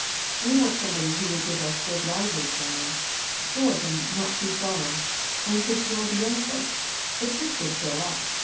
We want somebody who would give us good lively sermons short and not too solemn and could draw the young folks. The church would fill up.